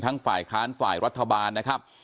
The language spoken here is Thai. ฝ่ายค้านฝ่ายรัฐบาลนะครับ